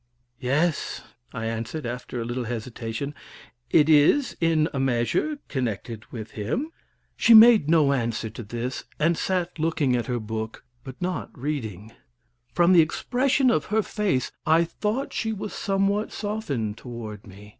"Yes," I answered, after a little hesitation, "it is, in a measure, connected with him." She made no answer to this, and sat looking at her book, but not reading. From the expression of her face, I thought she was somewhat softened toward me.